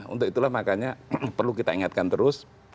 untuk itulah makanya perlu kita ingatkan terus